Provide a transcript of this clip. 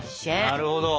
なるほど。